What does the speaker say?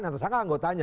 yang tersangka anggotanya